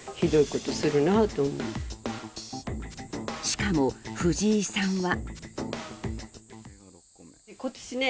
しかも、藤井さんは。